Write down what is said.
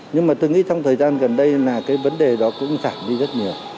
nhưng mà tôi nghĩ trong thời gian gần đây là cái vấn đề đó cũng giảm đi rất nhiều